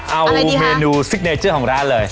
เอาเมนูกต้นของร้านเลย